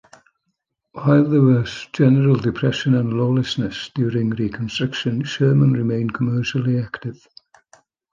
While there was general depression and lawlessness during Reconstruction, Sherman remained commercially active.